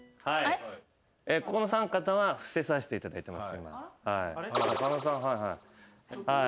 この三方は伏せさせていただいてます。